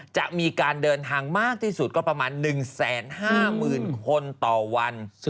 จะมีการเดินทางมากที่สุดก็ประมาณ๑๕๐๐๐คนต่อวัน